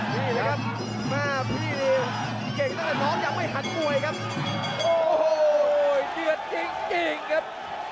นี่แหละครับแม่พี่นี่เก่งตั้งแต่น้องยังไม่หันมวยครับโอ้โหเดือดจริงจริงครับ